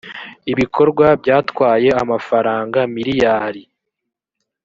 ibikorwa byatwaye amafaranga miliyari